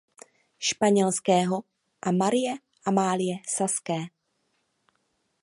Španělského a Marie Amálie Saské.